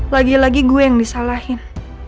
lagi lagi gue yang disalahin